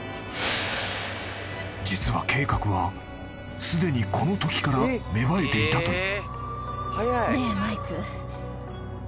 ［実は計画はすでにこのときから芽生えていたという］